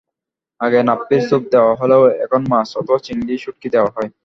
আগে নাপ্পির স্যুপ দেওয়া হলেও এখন মাছ অথবা চিংড়ি শুঁটকি দেওয়া হয়।